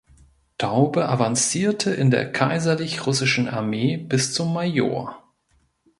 Taube avancierte in der Kaiserlich Russischen Armee bis zum Major.